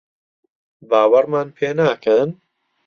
باوەڕمان پێ ناکەن؟